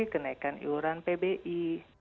kenaikan iuran pbi